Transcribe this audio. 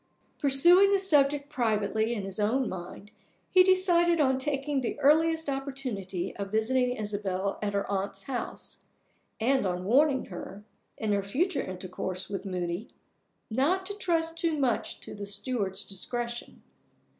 Pursuing the subject privately in his own mind, he decided on taking the earliest opportunity of visiting Isabel at her aunt's house, and on warning her, in her future intercourse with Moody, not to trust too much to the steward's discretion.